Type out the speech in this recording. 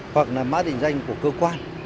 hoặc là mã định danh của cơ quan